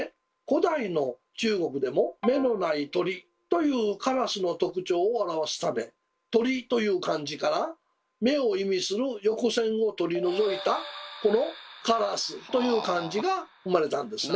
古代の中国でも「目のない鳥」というカラスの特徴を表すため「鳥」という漢字から目を意味する横線を取り除いたこの「烏」という漢字が生まれたんですね。